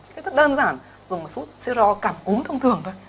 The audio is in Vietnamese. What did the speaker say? cái thức đơn giản dùng một sút siêu ro cảm cúm thông thường thôi